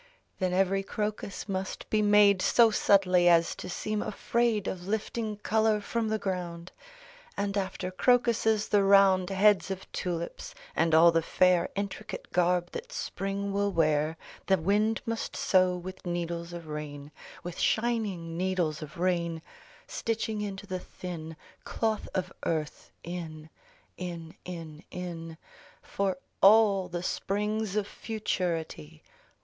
Then every crocus must be made So subtly as to seem afraid Of lifting color from the ground. And after crocuses the round Heads of tulips, and all the fair Intricate garb that Spring will wear The wind must sew with needles of rain, With shining needles of rain N Hazel Hall Stitching into the thin Cloth of earth — in, In, in, in — For all the springs of futurity.